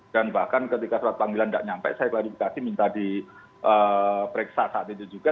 bahkan ketika surat panggilan tidak sampai saya klarifikasi minta diperiksa saat itu juga